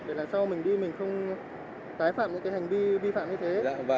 để sau mình đi mình không tái phạm những hành vi vi phạm như thế